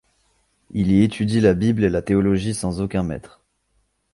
Il y étudie la Bible et la théologie sans aucun maître.